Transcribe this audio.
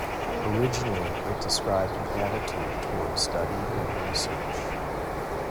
Originally, it described an attitude toward study and research.